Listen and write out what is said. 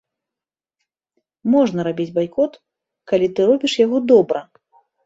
Можна рабіць байкот, калі ты робіш яго добра.